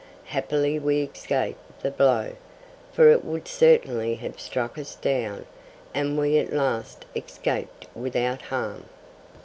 Happily we escaped the blow; for it would certainly have struck us down, and we at last escaped without harm.